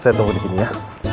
saya tunggu di sini ya